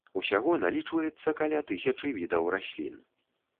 Усяго налічваецца каля тысячы відаў раслін.